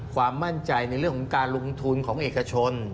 ความมั่นใจในเรื่องของการลงทุนของเอกชน